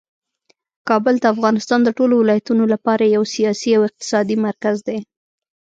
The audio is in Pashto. کابل د افغانستان د ټولو ولایتونو لپاره یو سیاسي او اقتصادي مرکز دی.